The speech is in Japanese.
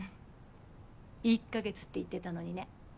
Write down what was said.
１か月って言ってたのにね。